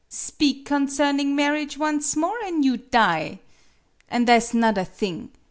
" Speak concerning marriage once more, an' you die. An' tha' 's 'nother thing.